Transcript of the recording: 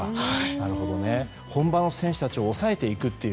本場の選手たちを抑えていくという。